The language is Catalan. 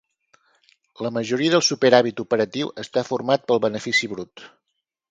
La majoria del superàvit operatiu està format pel benefici brut.